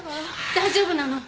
大丈夫なの？